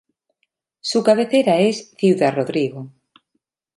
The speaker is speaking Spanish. Su cabecera es Ciudad Rodrigo.